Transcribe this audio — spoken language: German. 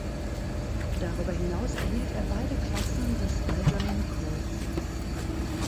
Darüber hinaus erhielt er beide Klassen des Eisernen Kreuzes.